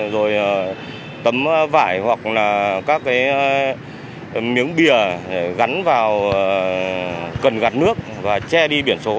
rồi tấm vải hoặc là các miếng bìa gắn vào cần gặt nước và che đi biển số